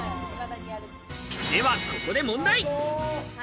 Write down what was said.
ではここで問題。